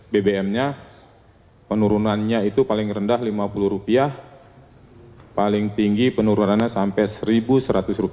bbm nya penurunannya itu paling rendah rp lima puluh paling tinggi penurunannya sampai rp satu seratus